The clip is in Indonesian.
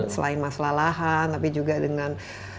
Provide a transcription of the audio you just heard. selain masalah lahan tapi juga dengan